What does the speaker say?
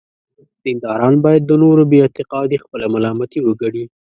دینداران باید د نورو بې اعتقادي خپله ملامتي وګڼي.